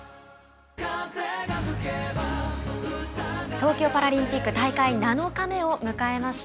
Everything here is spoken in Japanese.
東京パラリンピック大会７日目を迎えました。